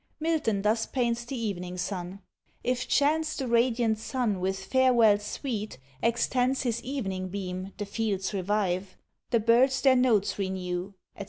Milton thus paints the evening sun: If chance the radiant SUN with FAREWELL SWEET Extends his evening beam, the fields revive, The birds their notes renew, &c.